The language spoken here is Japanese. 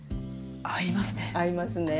合いますね。